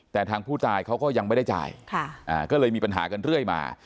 แต่ทางผู้ตายเขาก็ยังไม่ได้จ่ายก็เลยมีปัญหากันเรื่อยมา